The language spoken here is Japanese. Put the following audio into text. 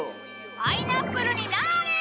パイナップルになあれ！